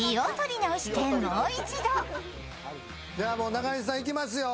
中西さん、いきますよ。